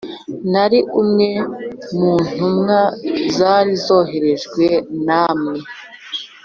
nari umwe mu ntumwa zari zoherejwe n'ammwe